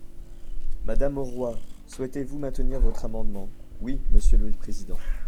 Madame Auroi, souhaitez-vous maintenir votre amendement ? Oui, monsieur le président.